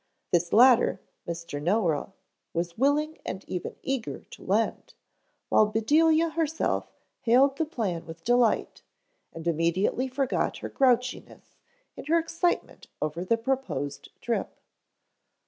This latter Mr. Noah was willing and even eager to lend, while Bedelia herself hailed the plan with delight and immediately forgot her grouchiness in her excitement over the proposed trip.